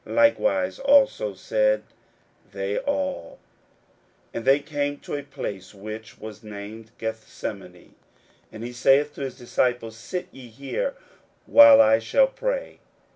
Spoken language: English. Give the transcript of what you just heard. Likewise also said they all. 41:014:032 And they came to a place which was named Gethsemane: and he saith to his disciples, Sit ye here, while I shall pray.